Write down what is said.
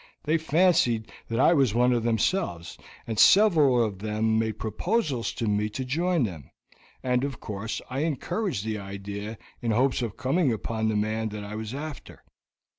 They fancied that I was one of themselves, and several of them made proposals to me to join them, and, of course, I encouraged the idea in hopes of coming upon the man that I was after.